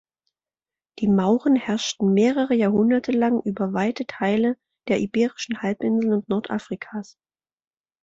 Die Mauren herrschten mehrere Jahrhunderte lang über weite Teile der Iberischen Halbinsel und Nordafrikas.